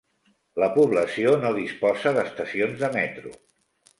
La població no disposa d'estacions de metro.